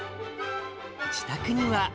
自宅には。